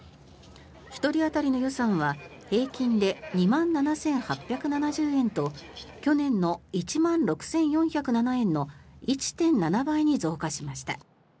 １人当たりの予算は平均で２万７８７０円と去年の１万６４０７円の１．７倍に増加しました。